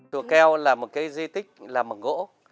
chùa keo là một dây tích làm bằng gỗ